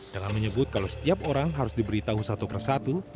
dengan menyebut kalau setiap orang harus diberitahu satu persatu